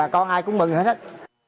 cảm ơn bà con ai cũng mừng hết